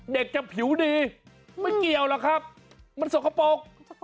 เด็กจะผิวดีไม่เกี่ยวหรอกครับมันสกปรก